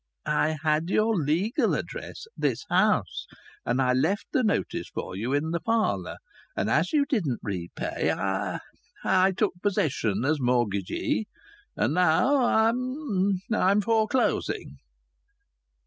"I had your legal address this house, and I left the notice for you in the parlour. And as you didn't repay I I took possession as mortgagee, and now I'm I'm foreclosing."